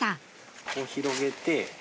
こう広げて。